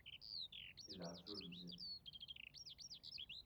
E l'altro rise.